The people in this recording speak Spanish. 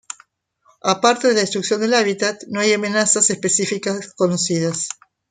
Aparte de la destrucción del hábitat, no hay amenazas específicas conocidas.